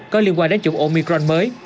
có liên quan đến chủng omicron mới